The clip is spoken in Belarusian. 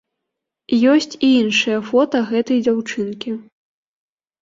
Ёсць і іншыя фота гэтай дзяўчынкі.